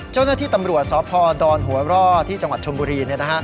เจ้าหน้าที่ตำรวจสพดหัวร่อที่จังหวัดชมบุรี